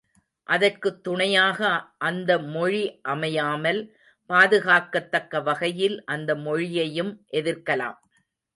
அதற்குத் துணையாக அந்த மொழி அமையாமல், பாதுகாக்கத் தக்க வகையில் அந்த மொழியையும் எதிர்க்கலாம்.